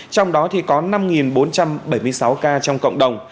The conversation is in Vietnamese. trong đó thì có năm bốn trăm bảy mươi sáu ca trong cộng đồng